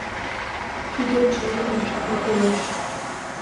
Кӱдырчӧ рашкалтылеш.